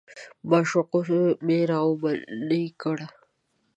معشوقه مې رامنې کړه.